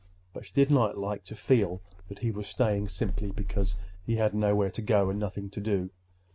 But she did not like to feel that he was staying simply because he had nowhere to go and nothing to do.